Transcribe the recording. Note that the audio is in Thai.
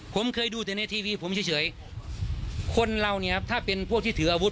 ผมเคยดูแต่ในทีวีผมเฉยคนเราเนี่ยถ้าเป็นพวกที่ถืออาวุธ